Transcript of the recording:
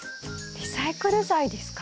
リサイクル材ですか？